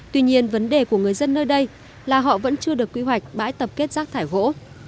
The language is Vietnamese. tuy nhiên vấn đề của người dân nơi đây là họ vẫn chưa được quy hoạch bãi tập kết rác thải gỗ